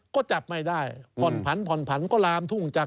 ก็จับไม่ได้ผ่อนผันผ่อนผันก็ลามทุ่งจับ